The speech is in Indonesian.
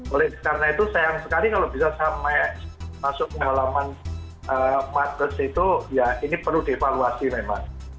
oleh karena itu sayang sekali kalau bisa sampai masuk ke halaman markes itu ya ini perlu dievaluasi memang